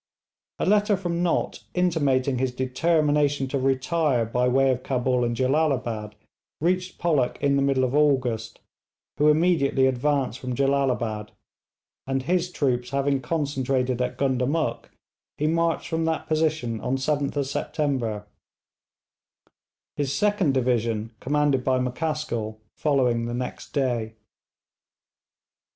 A letter from Nott intimating his determination to retire by way of Cabul and Jellalabad reached Pollock in the middle of August, who immediately advanced from Jellalabad; and his troops having concentrated at Gundamuk, he marched from that position on 7th September, his second division, commanded by M'Caskill, following next day.